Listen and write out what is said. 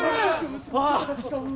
ああ！